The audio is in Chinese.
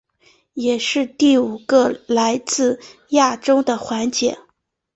也是第五个来自亚洲的环姐。